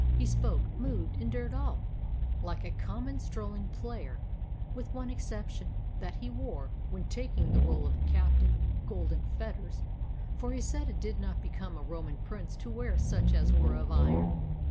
He spoke, moved, endured all, like a common strolling player, with one exception, that he wore, when taking the role of a cap tive, golden fetters, for he said it did not become a Roman prince to wear such as were of iron.